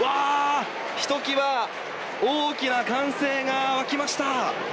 ひときわ大きな歓声が沸きました。